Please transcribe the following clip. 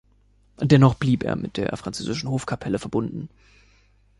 Dennoch blieb er mit der französischen Hofkapelle verbunden.